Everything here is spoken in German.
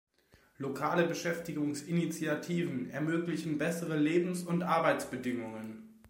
Lokale Beschäftigungsinitiativen ermöglichen bessere Lebens- und Arbeitsbedingungen.